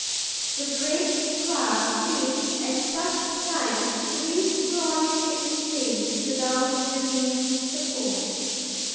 The great squab seems at such times to be sprawling in space, without the least support.